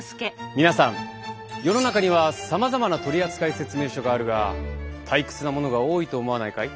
皆さん世の中にはさまざまな取扱説明書があるが退屈なものが多いと思わないかい？